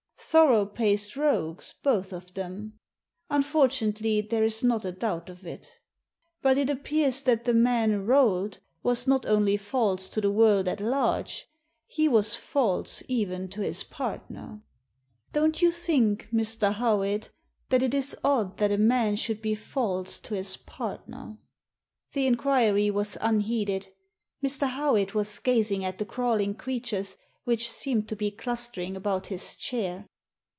Thorough* paced rogues, both of them. Unfortunately, there is not a doubt of it But it appears that the man Digitized by VjOOQIC 8 THE SEEN AND THE UNSEEN Rolt was not only false to the world at large, he was false even to his partner. Don't you think, Mr. Howitt, that it is odd that a man should be false to his partner?" ' The inquiry was unheeded. Mr. Howitt was gazing at the crawling creatures which seemed to be cluster ing about his chair.